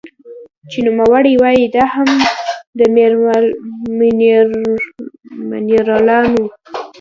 چې نوموړې وايي دا هم د مېنرالونو